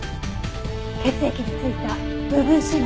血液で付いた部分指紋。